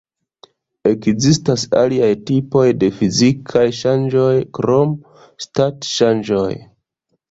Ekzistas aliaj tipoj de fizikaj ŝanĝoj krom stat-ŝanĝoj.